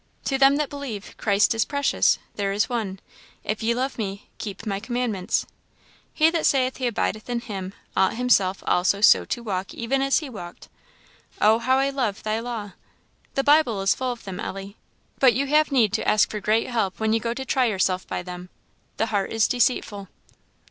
'To them that believe Christ is precious,' there is one. 'If ye love me, keep my commandments;' 'He that saith he abideth in him, ought himself also so to walk even as he walked' 'O how love I thy law!' The Bible is full of them, Ellie; but you have need to ask for great help when you go to try yourself by them; the heart is deceitful."